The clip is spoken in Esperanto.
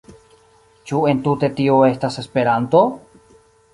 Ĉu entute tio estas Esperanto?